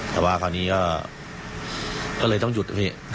แต่ว่าคราวนี้ก็เลยต้องหยุด